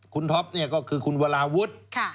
คุณท็อปเนี่ยก็คือคุณวราวุฒิ